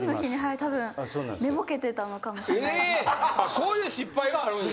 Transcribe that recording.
そういう失敗があるんや。